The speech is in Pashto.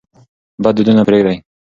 بد دودونه پرېږدئ.